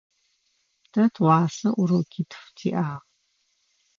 Тэ тыгъуасэ урокитф тиӏагъ.